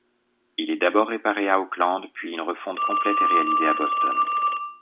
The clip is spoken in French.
Il est d'abord réparé à Auckland puis une refonte complète est réalisée à Boston.